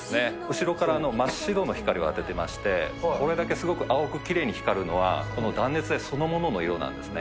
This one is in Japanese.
後ろから真っ白の光を当ててまして、これだけすごく青くきれいに光るのは、この断熱材そのものの色なんですね。